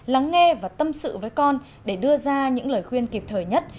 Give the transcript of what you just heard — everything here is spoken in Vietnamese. lắng nghe và tâm sự với con để đưa ra những lời khuyên kịp thời nhất